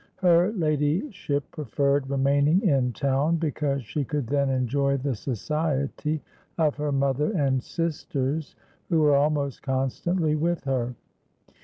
Her ladyship preferred remaining in town, because she could then enjoy the society of her mother and sisters, who were almost constantly with her.